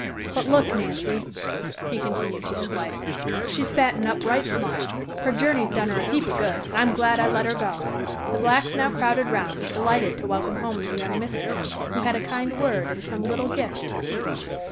But look, Nancy," he continued to his wife, "she's fattin' up right smart. Her journey has done her a heap of good, and I'm glad I let her go." The blacks now crowded round, delighted to welcome home their young mistress, who had a kind word and some little gift for each.